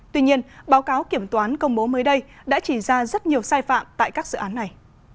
tuy nhiên báo cáo kiểm toán công bố mới đây đã chỉ ra rất nhiều sai phạm tại các dự án này